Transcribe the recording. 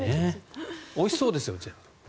おいしそうですよ、全部。